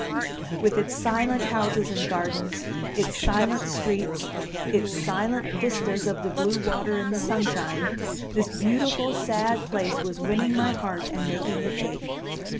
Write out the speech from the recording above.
With its silent houses and gardens, its silent streets, its silent vistas of the blue water in the sunshine, this beautiful, sad place was winning my heart and making it ache.